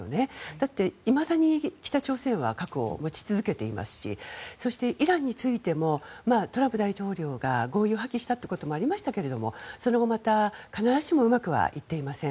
だって、いまだに北朝鮮は核を持ち続けていますしそして、イランについてもトランプ大統領が合意を破棄したこともありましたがその後、必ずしもうまくいっていません。